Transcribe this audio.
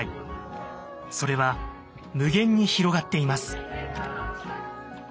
それは無限に広がっています。